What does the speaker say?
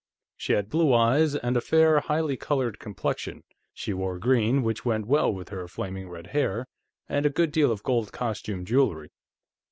She had blue eyes, and a fair, highly colored complexion; she wore green, which went well with her flaming red hair, and a good deal of gold costume jewelry.